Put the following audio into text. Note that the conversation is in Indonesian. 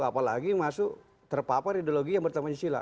apalagi masuk terpapar ideologi yang bertemasi sila